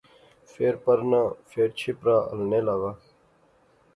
فیر پرنا، فیر چھپرا ہلنے لاغا